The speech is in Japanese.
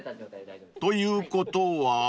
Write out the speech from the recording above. ［ということは］